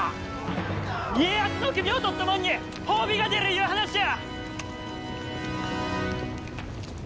家康の首を取ったもんに褒美が出るいう話や！